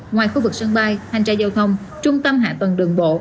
ngoài khu vực sân bay hành trái giao thông trung tâm hạ tầng đường bộ